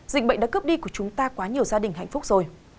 dịch bệnh đã cướp đi của chúng ta quá nhiều gia đình hạnh phúc rồi